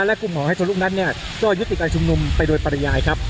ทางกลุ่มมวลชนทะลุฟ้าทางกลุ่มมวลชนทะลุฟ้า